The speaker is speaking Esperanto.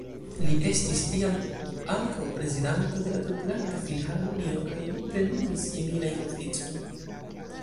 Li estis iam ankaŭ prezidanto de la Tutlanda Filharmonio kaj li plenumis similajn oficojn.